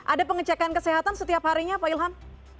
ada pengecekan kesehatan setiap harinya pak ilham